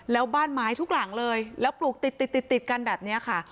แล้วบ้านไม้ทุกหลังเลยแล้วปลูกติดติดกันแบบนี้ค่ะ